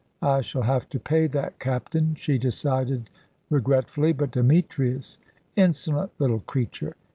"I shall have to pay that captain," she decided regretfully; "but Demetrius insolent little creature!